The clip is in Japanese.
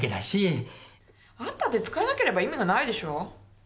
あったって使えなければ意味がないでしょ！